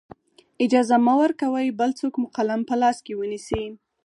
اجازه مه ورکوئ بل څوک مو قلم په لاس کې ونیسي.